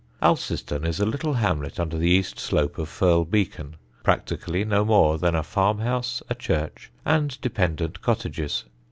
Alciston is a little hamlet under the east slope of Firle Beacon, practically no more than a farm house, a church, and dependant cottages.